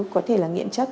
có thể là nghiện chất